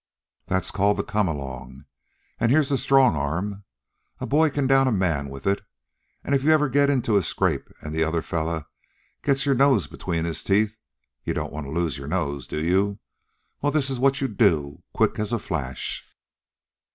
"That's called the 'come along.' An' here's the strong arm. A boy can down a man with it. An' if you ever get into a scrap an' the other fellow gets your nose between his teeth you don't want to lose your nose, do you? Well, this is what you do, quick as a flash."